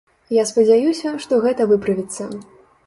Я спадзяюся, што гэта выправіцца.